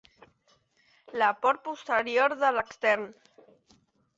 La port posterior de l'extern.